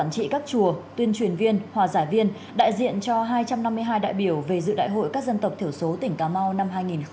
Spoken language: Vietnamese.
trị các chùa tuyên truyền viên hòa giải viên đại diện cho hai trăm năm mươi hai đại biểu về dự đại hội các dân tộc thiểu số tỉnh cà mau năm hai nghìn hai mươi